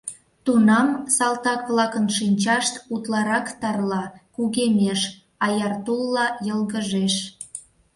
Тунам салтак-влакын шинчашт утларак тарла, кугемеш, аяр тулла йылгыжеш: